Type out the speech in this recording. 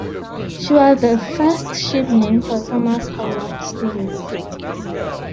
She was the first ship named for Thomas Holdup Stevens.